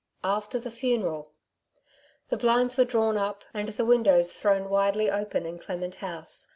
After the funeral I The blinds were drawn up, and the windows thrown widely open in Clement House.